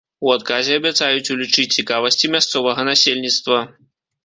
У адказе абяцаюць улічыць цікавасці мясцовага насельніцтва.